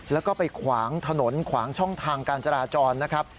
แล้วก็ไปขวางถนนขวางช่องทางการจราจรนะครับ